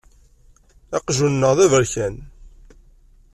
Aqjun-nneɣ d aberkan.